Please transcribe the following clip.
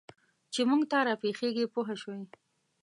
چې موږ ته را پېښېږي پوه شوې!.